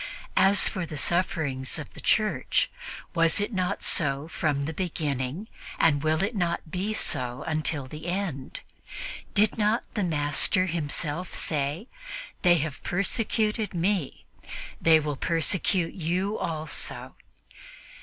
As for the sufferings of the Church, was it not so from the beginning, and will it not be so until the end? Did not the Master Himself say, 'They have persecuted Me, they will persecute you also'?